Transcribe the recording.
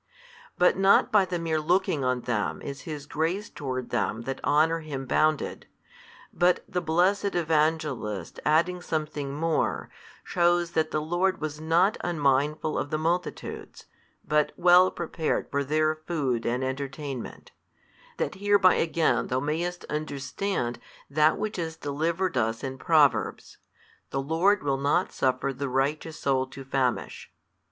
But not by the mere looking on them is His grace toward them that honour Him bounded, but the blessed Evangelist adding something more, shews that the Lord was not unmindful of the multitudes, but well prepared for their food and entertainment: that hereby again thou mayest understand that which is delivered us in Proverbs, The Lord will not suffer |321 the righteous soul to famish.